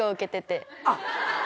あっ。